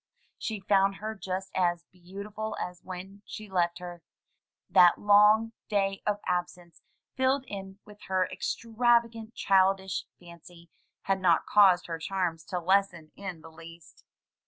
She found her just .as beautiful as when she left her. That long day of absence, filled in with her extravagant childish fancy, had not caused her charms to lessen in the least.